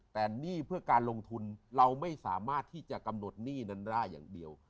แต่หนี้เพื่อการลงทุนเราไม่สามารถที่จะกำหนดหนี้นั้นได้อย่างเดียว